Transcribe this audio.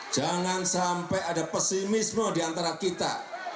jangan sampai ada pesimisme diantara kita